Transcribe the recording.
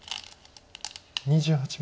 ２８秒。